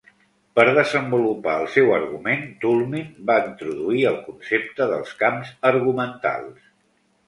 Per desenvolupar el seu argument, Toulmin va introduir el concepte dels camps argumentals.